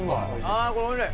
ああこれおいしい！